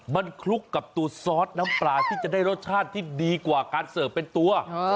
มันคลุกกับตัวซอสน้ำปลาที่จะได้รสชาติที่ดีกว่าการเสิร์ฟเป็นตัว